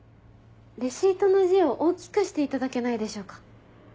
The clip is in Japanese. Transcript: レシートの字を大きくしていただけないでしょうか。